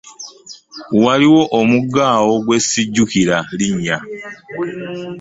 Waliwo omugga awo gwe ssijjukira linnya.